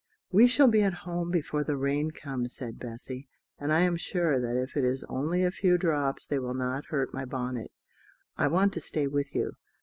"We shall be at home before the rain comes," said Bessy; "and I am sure that if it is only a few drops they will not hurt my bonnet; I want to stay with you.